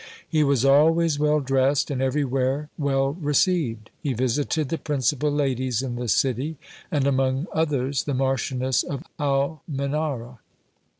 He was always well dressed, and everywhere well received. He visited the principal ladies in the city, and among others the Marchioness of Almenara.